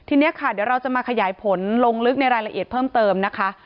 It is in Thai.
ทีนี้ค่ะเดี๋ยวเราจะมาขยายผลลงลึกในรายละเอียดเพิ่มเติมนะคะ